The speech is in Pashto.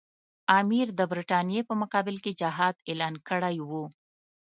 امیر د برټانیې په مقابل کې جهاد اعلان کړی وو.